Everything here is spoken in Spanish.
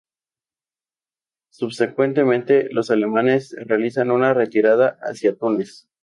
Subsecuentemente, los alemanes realizan una retirada hacia Túnez.